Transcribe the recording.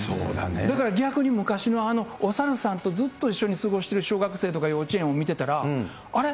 だから逆に昔の、おサルさんとずっと一緒に過ごしてる小学生とか幼稚園見てたら、あれ？